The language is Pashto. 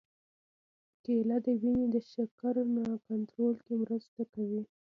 کېله د وینې د شکر کنټرول کې مرسته کوي.